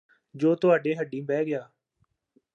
ਜੋ ਤੁਹਾਡੇ ਹੱਡੀ ਬਹਿ ਗਿਆ